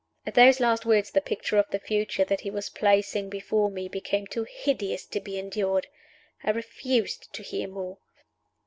At those last words the picture of the future that he was placing before me became too hideous to be endured. I refused to hear more.